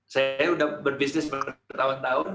saya sudah berbisnis bertahun tahun